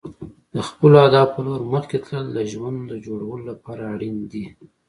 د خپلو اهدافو په لور مخکې تلل د ژوند د جوړولو لپاره اړین دي.